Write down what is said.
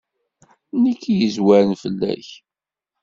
Nekk i yezwaren fell-ak.